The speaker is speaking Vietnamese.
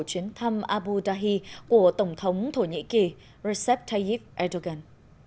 chuyến thăm abu dhahi của tổng thống thổ nhĩ kỳ recep tayyip erdogan